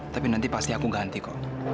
tapi nanti pasti aku ganti kok